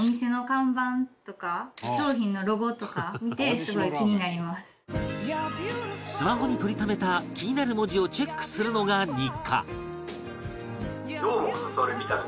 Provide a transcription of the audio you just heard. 彼女はスマホに撮りためた気になる文字をチェックするのが日課